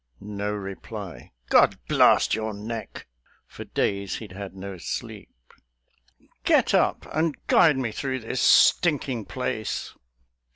No reply. "God blast your neck!" (For days he'd had no sleep,) "Get up and guide me through this stinking place."